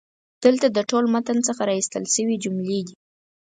دلته د ټول متن څخه را ایستل شوي جملې دي: